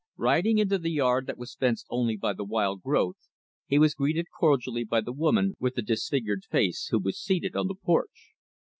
Riding into the yard that was fenced only by the wild growth, he was greeted cordially by the woman with the disfigured face, who was seated on the porch.